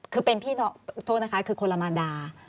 คือเป็นพี่น้องโทษนะคะคือคนละมานดา